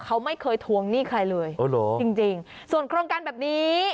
เขาไม่เคยทวงหนี้ใครเลยอ๋อเหรอจริงจริงส่วนโครงการแบบนี้